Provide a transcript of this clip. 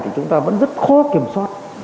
thì chúng ta vẫn rất khó kiểm soát